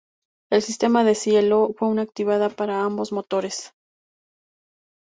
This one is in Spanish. El sistema de deshielo fue activado para ambos motores.